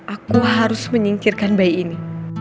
aku harus menyingkirkan bayi ini